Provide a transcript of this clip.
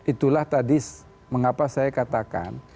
itulah tadi mengapa saya katakan